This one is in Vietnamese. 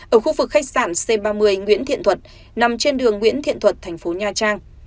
ở khu vực khách sạn c ba mươi nguyễn thiện thuật nằm trên đường nguyễn thiện thuật thành phố nha trang